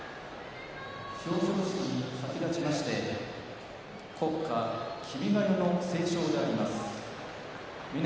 表彰式に先立ちまして国歌「君が代」の斉唱です。